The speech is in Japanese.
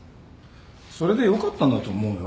それで良かったんだと思うよ。